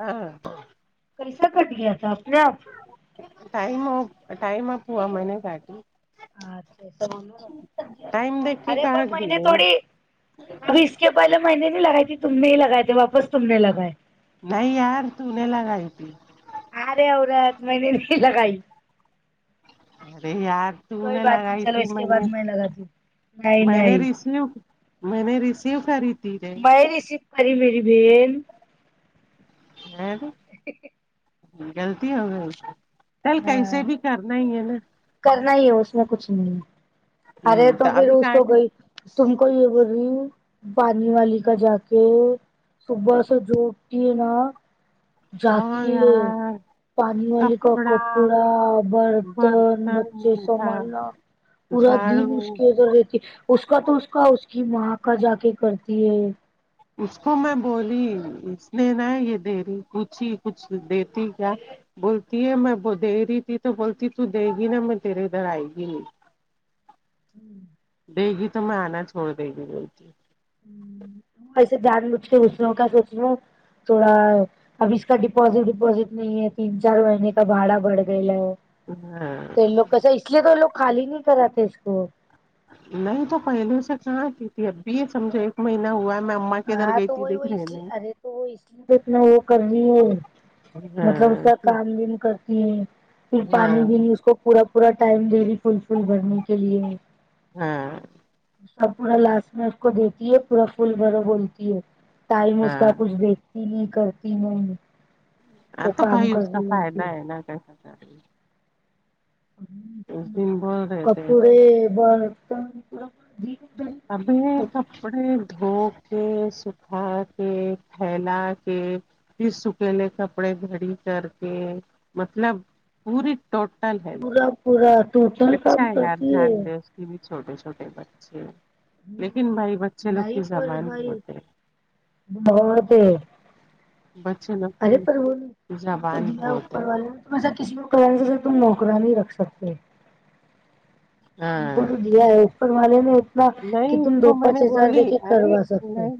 ہاں کیسا کٹ گیا تھا اپنے آپ ٹائم آ ٹائم آپ ہوا میں نے سا اچھا س ٹائم دیکھ کے ارے پر کاٹ دی مہنے گئی تھوڑی س اس کے پہلے میںی نے نہیں لگائی تھی تم نے ہی لگائے تھے واپس تم نے لگائے نہیں یار تم نے لگایی تھی ارے اورت پہلے میں نے لگائ تھی ارے یار تو کوئی نے بات نہیں لگائی چلو تھی اس کے میں نے بعد لگاتی ہوں نہیں میں نے نہیں ریسیو میں نے ریسیو کری تھی رے میں ریسیو کری میری بہن ہہ تو [inaudible] غلطی ہو گئی چل کیسے ہاں بھی کرنا ہی ہے نا کرنا ہی ہے اس میں کچھ نہیں ارے ہ تو پھر ابھی اس کا کو کہ گئی تم کو یہ بول رہی پانی والی کا جا کے صبح سے جو کی نا ہاں جاتی یار پانی والے کا کپڑا برتن بچے برتن سنبھالنا پورا دن اس جھاڑو کے ادھر رہتی ہے اس کا تو اس کا اس کی ماں کا جا کے کرتی ہے اس کو میں بولی اس نے ن یہ دے رہی پوچھی کچھ دیتی کیا بولتی ہے میں دے رہی تھی تو بولتی تو دے گی نا میں تیرے ادھر آئے گی نہیں [inaudible] دے گی تو میں آنا چھڑ دے گی بول کے ایسے جان بھوج کے دوسروں کیا سوچنا تھوڑا اب اس کا ڈپوزٹ وپوزٹ نہیں ہے تین چار مہینے کا بھاڑا بڑھ گیا ہے ہاں کیسے اس لیے تو لوگ خالی نہیں کراتے اس کو نہیں تو پہلے سے کہاں کی تھی اب بھی یہ سمجھو ایک مہینہ ہوا میں اما کے ادھر ہاں گئی تو تھی وہی وہ دیکھ اس رہے لیے نے ارے تو وہ اس لیے تو اتنا وہ کرہی ہے مطلب اس کا ہاں کام بھیم کرتی ہیں پھر ہاں پانی بھی نہیں اس کو پورا پورا ٹائم دے رہی فل فل بھرنے کے لیے ہاں سب پورا لاشٹ میں اس کو دیتی ہے پورا پھول بھرا بولتی ہے ٹائم اس کا ہاں کچھ دیکھتی نہیں کرتی میں وہ کام کر رہی ہوتی نا نا کیسا رہی اس ہے دن بع کپڑے برتن ابھی کپڑے دھو کے سکھا کے پھیلا کے پھر سکیلے کپڑے گھڑی کر کے مطلب پوری ٹ تل ہے سب پورا ٹوٹ اچھا ہے یار جان لیں اس کے بھی چھوٹے چھوٹے بچے لیکن بھائی بچے لوگ نہیں کی پر زبان بھائی ہوتے بہت ہے بچے نا ارے پر وہ تم کو دیا اوپر ہے والے نے تم ایسا کسی کو کرنے سے تم نوکرانی نہیں رکھ سکتے ت ہاں کو تو دیا ہے اوپر والے نے اتنا کہ نہیں تم اس دو پانچ ہزار لے کے کروا سکتے ہ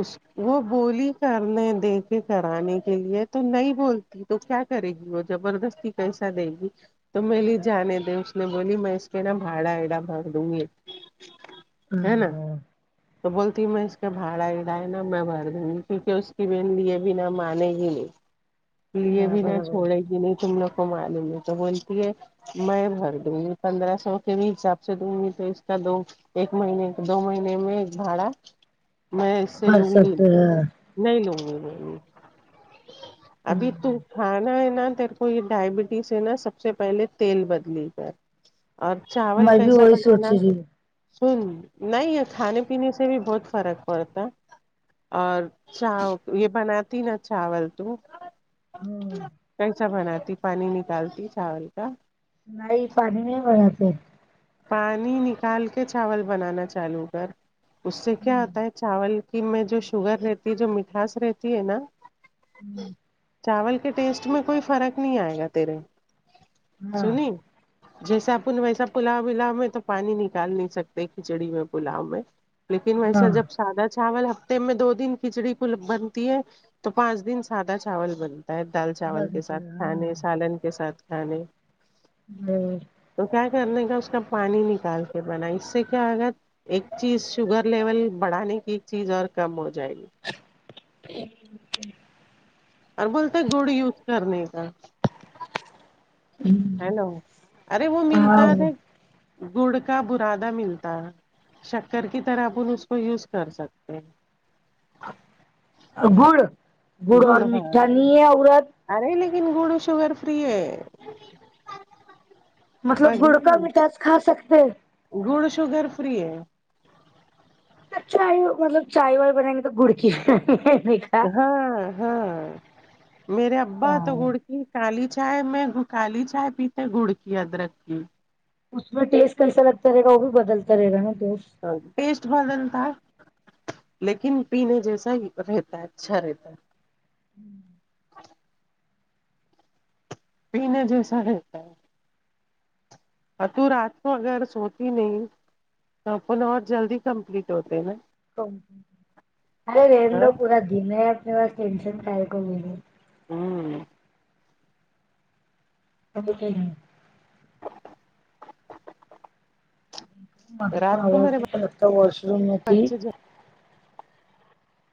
ا وہ بولی کرنے دیکھے کرانے کے لیے تو نہیں بولتی تو کیا کرے گی وہ زبردستی کیسا دے گی تو میلیے جانے دے اس نے بولی میں اس پہ نا بھاڑا ایڑا کر دوںگی ہ [unintelligible] تو بولتی ہوں میں اس کے بھاڑا اڑائے نا میں بھر دوں گی کیونکہ اس کی بین لی یہ بھی نہ مانے گی نہیں لیے ہاں بھی نہ برابر چھوڑے گی نہیں تم لوگ کو معلوم ہے تو بولتی ہے میں بھر دوں گی پندرہ سو کے بھی حساب سے دوں گی تو اس کا ایک مہینے کے دو مہینے میں ایک بھاڑا میں اس سے بھر لوں گی سکتے ہیں نہیں لوں گی ابھی تو کھانا ہے نا تیرے کو یہ ڈائبٹیز ہے نا سب سے پہلے تیل بدلی کر اور چاول میں بھی کیسا وہی بنانا سوچ رہی ہوں سن نہیں کھانے پینے سے بھی بہت فرق پڑتا اور چا یہ بناتی نا چاول تو ہاں کیسا بناتی پانی نکالتی چاول کا نہیں پانی نہیں بیا پ پانی نکال کے چاول بنانا چالو کر اس سے کیا ہوتا ہے چاول کہ میں جو شوگر رہتی ہے جو مٹھاس رہتی ہے نا ہوں [unintelligible] چاول کے ٹیسٹ میں کوئی فرق نہیں آئے گا تیرے ہاں سنی جیسا اپن ویسا پلا ولاو میں تو پانی نکال نہیں سکتے کھچڑی میں پلاؤ میں لیکن ویسا ہاں جب سادا چاول ہفتے میں دو دن کھچڑی کو بنتی ہے تو پانچ دن سادا چاول بن دال چاول کے ساتھ بنتے ہاں کھانے سالن کے ساتھ کھانے ہوں تو کیا کرنے کا اس کا پانی نکال کے بنا اس سے کیا ہوگا ایک چیز شوگر لیول بڑھانے کی ایک چیز اور کم ہو جائے گی ہے [unintelligible] اور بولتے گڑ یوز کرنے کا ہیلو ارے وہ ملتا د ہاں گڑ کا برادا ملتا ہے شکر کی طرح اپن اس کو یوز کر سکتے ہیں گڑ گڑ اور میٹھا نہیں ہے عورت ارے لیکن گوڑو شوگر فری ہے مطلب گڑ کا مٹاس کھا سکتے ہیں گوڑ شوگگر فری ہے چائے مطلب چائے وائے بنائیں گے تو گڑکی ہاں ہاں میرے ابا تو گڑ کیی کالی چائے میں کالی چائے پیتے گڑ کی ادرک کی اس میں ٹیسٹ کیسا لگتا رہے گا وہ بھی بدلتا رہے گا نا دوست پٹیسٹ بتا ہے [inaudible] لیکن پینے جیسا ہی رہتا ہے اچھا رہتا ہے ہوں [unintelligible] پینے جیسا رہتا ہے تو رات کو اگر سوتی نہیں تون اپن اور جلدی کمپلیٹ ہوتے نا ارے رہنے ہاں دو پورا دن ہے اپنے پاس ٹینشن کا ہے کو ملے ہوں ا ہ ہ [unintelligible] مھ کو رات آاز میرے نہیں لگتا وش رم نہیں بچے [inaudible]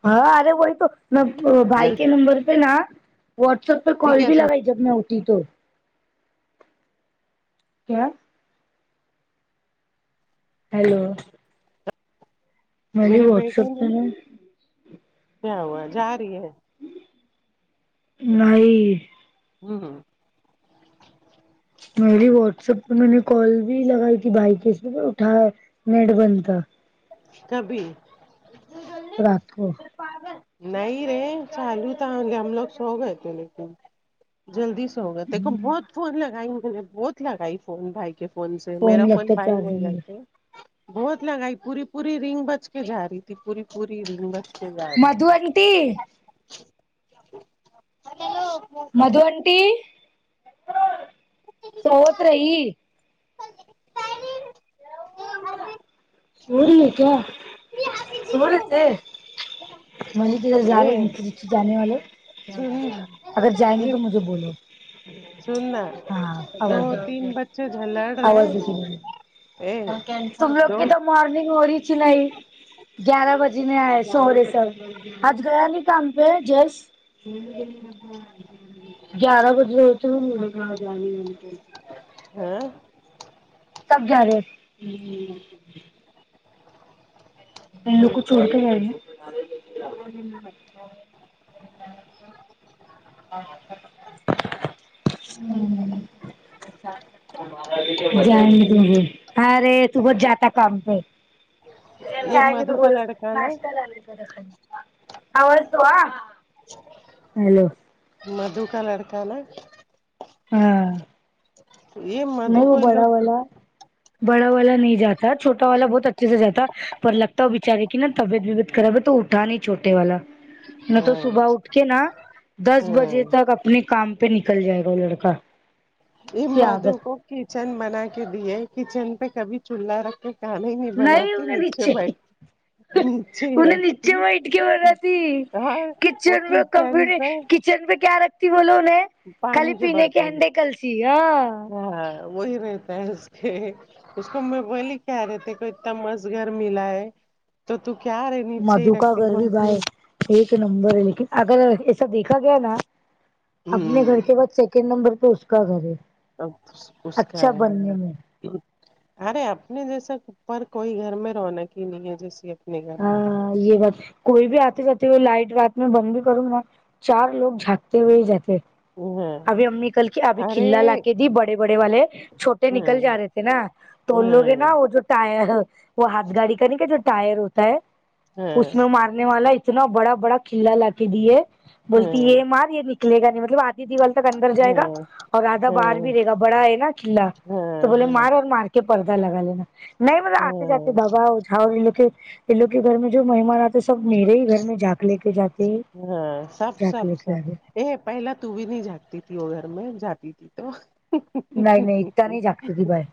ہاں ارے وہی تو نہ بھائی کے جلدی نمبر پہ نا واٹس ایپ پہ کال بھی کیسا لگائی جب میں اٹھی تو کیا ہیلو بولی میرے واٹس بیٹے ایپ نے پہ کیا ہوا جا رہی ہے نہیں ہوں ہوں [unintelligible] میری واٹسپ پہ میں نے کال بھی لگائی تھی بائیکس بھی اٹھاائے نیڈ بند کبھی رات کو نہیں رے چالو تو ہم گ ہم لوگ سو گئے تھے لیکن [inaudible] جلدی سو گیے دیکھو بہت فون لگائی نے بہت لگائی فون بھائی کے فون سے میرا فون لگتا بھائی لے چارجنگ گئے میں تھے بہت لگائی پوری پوری رنگ بچ کے جا رہی تھی پوری پوری رگس سے جا رہی مدھو انٹی تھی ہیلو مدھو آنٹی سوت رہی نہیں ہو رہی ہے کیا سح رہے تھے مزد ادھر تھی جا رہے یہ نچےچ جانے والے اگر جائیں سننا گے یہ تو مجھے بولو سننا ہاں دو آواز بھی تین بچے جھلڑ رہے آواز بھی اے تم لوگ دو کی تو ماررننگ ہو رہیچ نہیں گیارہ بجے ن آئے سوہرے سر آج گیا نہیں کام پہ جیلس زیادہ کھ س ہاں سب جا رہے ان لوگ کو چھڑ کر جائیں گے ا ہوں جائ د گی ارے تو بت جاتاہ کم پہ یہ مدھو کا بول لڑکا نا نشتہ آواز تو آ ہیلو مدو کا لڑکانا ہاں یہ مدھو نہیں وہ کو ان لوگ بڑا والا بڑا والا نہیں جاتا چوٹا والا بہت اچھے سے جاتا پر لگتا ہو بچارے کی نا طبیعت ببیعت خراب ہے تو تھا نہیں چھوٹے والا نہ تو ہاں صبح اٹھ کے نا دس بجے ہاں تک اپنے کام پہ نکل جائے گا وہ لڑکا ا کی مدو عادت کو کچن بنا کے دیے کچن پہ کبھی چولہا رکھے کان ہی نہیں بناتتی نیچے بیٹتی نیچے انہیں رکھتی نیچے بیٹھ کے بنا تھی اور وہک ان پہ چن پہ کیا رکھتی ب لو نے خالی پانی پینے کے برتن انڈے کلسیی ہاں ہاں وہی رہتا ہے اس کے اس کو میں بولی کیا رہتے کو اتنا مز گور ملا ہے تو تو کیا رہے نیچے ہی مدھو کا رکھتی گھر بھی بولتی بھائی ایک نمبر ہے لیکن اگر ایسا دیکھا گیا نا اپنے ہوں گھر کے بعد سیکنڈ نمبر تو اس کا گھر ہے اب اس کا اچھا بننے میں ہیں ارے اپنے جیسا اوپر کوئی گھر میں رونق ہی نہیں ہے جیسی گھر میں ہاں یہ بات کوئی بھی آتے جاتے ہوئے لائٹ رات میں بند بھی کروں گا چار لوگ جھانکتے ہوئے ہی جاتے ہاں ابھی امی کل کی ابھی کھلا لا ارے کے دی بڑی بڑے بڑے والے چھوٹے ہاں نکل جا رہے تھے نا تو لوگ ہیں ہاں نا وہ جو ٹر وہ ہاتھ گاڑی کا نہیں کہ جو ٹائر ہوتا اس ہاں میں مارنے والا اتنا بڑا بڑا کلا لا کے دی ہے بولتی ہاں یہ مار یہ نکے گا نہیں مطلب آدھی دیو وال تک اندر جائے گا ہاں اور آدھا ہاں باہر بھی رہے گا بڑا ہے نا چلا تو بولے ہاں مار اور مار کے کہ پ پردہ لگا ل نا نہیں ما ہاں آتے جاتتے ہاں دبا جھا ل ل کہ یہ لوگ کے گھر میں جو مہمان آتے ہیں سب میرے ہی گھر میں جاگ لے کے جاتے ہیں ہاں سب سب سب ا پہلا تو بھی نہیں جاگتی تھی وہ گھر میں جاتی تھی تو نہیں نہیں اتنا نہیں جھاگتی تھی بھائی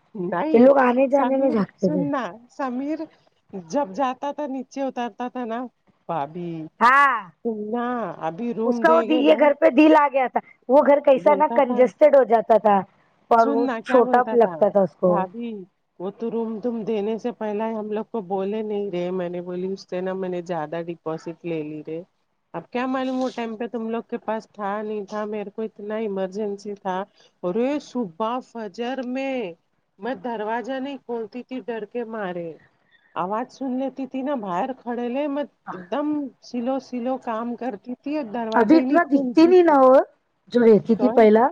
یہ نہیں لوگ آنے جانے میں سمیر جھانکتے تھے سننا سمیر جب جاتا تھا نیچے اترتا تھا نا بھاابھی ہاں نہ ابھی روم اس کا دے وہ گے یہ نا گھر پہ دل آ گیا تھا وہ گھر کیسا نہ بولتا تھا کنجسٹڈ ہو جاتا تھا اور وہ سننا کیا چھوٹا بولتا لگتا تھا اس کو بھابھی وہ تو روم توم دینے سے پہل ہی ہم لوگ کو بولے نہیں رہے میں نے بولی اس سے نہا میں نے زیادہ ڈپسٹ لے لی رہے اب کیا معلوم ہو ٹائم پہ تم لوگ کے پاس تھا نہیں تھا میرے کو اتنا ایمرجنسی تھا اور ریش صبح فجر میں میں دروازہ نہیں کھولتی تھی ڈر کے مارے آواز سننےتی تھی نا باہر کھڑےل م ایک دم سلو سلو کام کرتی تھی اور ابھی دروازہ ہی نہیں اتنا دکھتی کھولتی نہیں تھی ن وہ جو رہتی تھی کون پہلا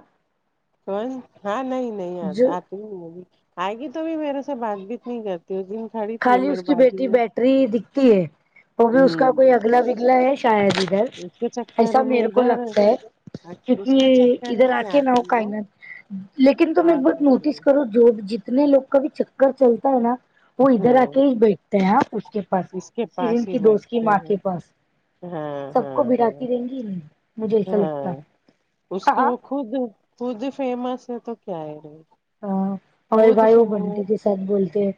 کون ہاں نہیں نہیں جو آ ب آئے گی تو بھی میرے سے بات بھیت نہیں کرتی دو دن خاڑی خالی اس کی بیٹری بیٹری دکھتی ہے وہ بھی اس کا کوئی میں اگلا بگلا ہے شاید ہی اس کے ایسا چکر میں میرے کو ادھر لگتا ہے اس کے کیونکہ چکر ادھر میں آ ہی کے نہ ہو آتی وہ کائن لیکن تم ایک اور بات کچھ نوٹس نہیں کرو جو جتنے لوگ کا بھی چکر چلتا ہے نا وہ ادھر آ ہاں کے ہی بیٹھتے ہیں اس کے پاس اس کے سرین پاس ہی کی دوست کی بیٹھتے ماں کے ہیں پاس ہاں سب ہاں کو ہاں براتی دیں گی نہیں مجھے ایسا لگتا ہاں اس تو ہاں وہ خود خود فیمس ہے تو کیا ہے ر ہاں ہمے بھائی وہ بنتے تھے ساتھ بولتے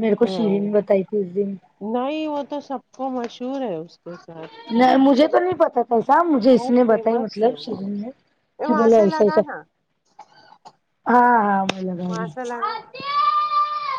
میرے کو ہاں شرین بتائی تھی اس دن نہیں وہ تو سب کو مشہور ہے اس کے ساتھ نہیں مجھے تو نہیں پتا تھا ایسا مجھے اس بہت نے بتائی فیمس ہے مطلب ش وہ یہ کہ وہاں بولے سے ایسا ایسا لگانا ہاں ہاں م لگا گی ماشاء اللہ